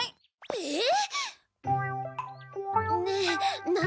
えっ？